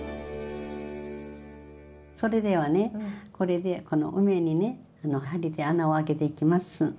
それではねこの梅にね針で穴を開けていきます。